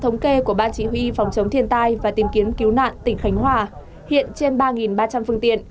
theo ban chỉ huy phòng chống thiên tai và tìm kiến cứu nạn huyện lý sơn có hai trăm linh năm hộ dân được di rời đến nơi an toàn